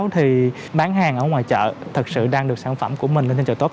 thì bán hàng ở ngoài chợ thật sự đang được sản phẩm của mình lên thị chợ tốt